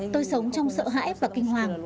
tôi sống trong sợ hãi và kinh hoàng